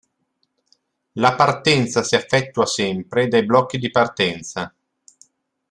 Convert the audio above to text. La partenza si effettua sempre dai blocchi di partenza.